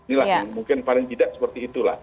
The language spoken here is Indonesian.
inilah mungkin paling tidak seperti itulah